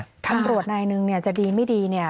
ตำรวจนายนึงเนี่ยจะดีไม่ดีเนี่ย